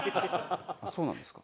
そうなんですか。